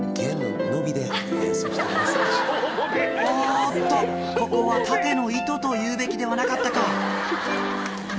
おっとここは「縦の糸」と言うべきではなかったか？